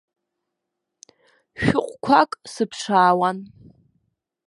Шәыҟәқәак сыԥшаауан.